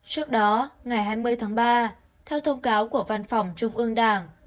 trước đó ngày hai mươi tháng ba theo thông cáo của văn phòng trung ương đảng